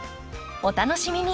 お楽しみに！